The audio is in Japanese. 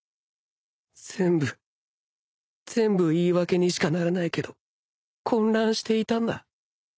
全部全部言い訳にしかならないけど混乱していたんだ